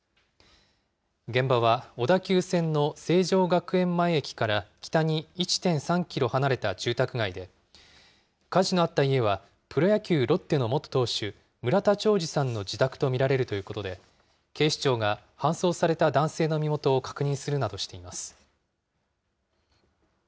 現場は小田急線の成城学園前駅から北に１．３キロ離れた住宅街で、火事のあった家は、プロ野球・ロッテの元投手、村田兆治さんの自宅と見られるということで、警視庁が搬送された男性の身元を確認するなどしています。